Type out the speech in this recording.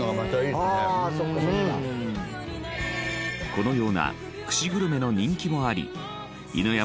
このような串グルメの人気もあり犬山